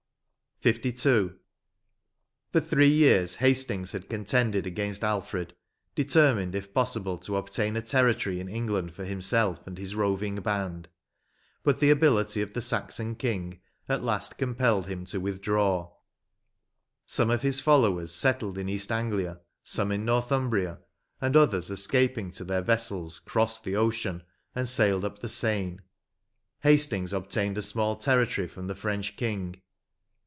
104 LIL For three years Hastiiigs had contended against Alfred, determined^ if possible, to obtain a territory in England for himself and his roving band, but the ability of the Saxon Xing at last compelled him to withdraw : some of his followers settled in East Anglia, some in Northumbria, and others, escaping to their vessels, crossed the ocean, and sailed up the Seine. Hastings obtained a small territory from the French King.